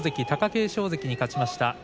貴景勝関に勝ちました。